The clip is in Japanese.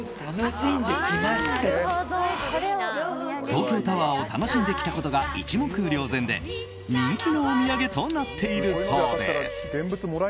東京タワーを楽しんできたことが一目瞭然で人気のお土産となっているそうです。